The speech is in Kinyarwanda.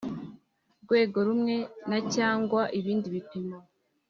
Rwego rumwe na cyangwa ibindi bipimo